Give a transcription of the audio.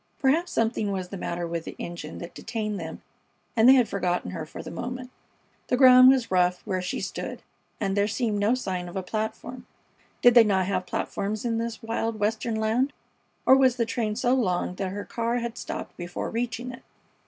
Perhaps something was the matter with the engine that detained them and they had forgotten her for the moment. The ground was rough where she stood, and there seemed no sign of a platform. Did they not have platforms in this wild Western land, or was the train so long that her car had stopped before reaching it?